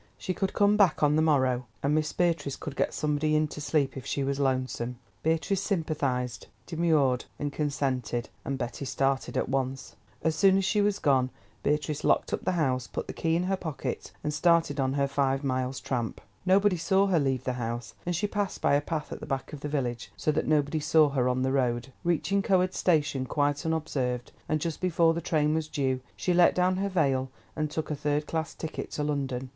She could come back on the morrow, and Miss Beatrice could get somebody in to sleep if she was lonesome. Beatrice sympathised, demurred, and consented, and Betty started at once. As soon as she was gone, Beatrice locked up the house, put the key in her pocket, and started on her five miles' tramp. Nobody saw her leave the house, and she passed by a path at the back of the village, so that nobody saw her on the road. Reaching Coed Station quite unobserved, and just before the train was due, she let down her veil, and took a third class ticket to London.